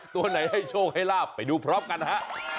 ตัวไหนให้โชคให้ลาบไปดูพร้อมกันฮะ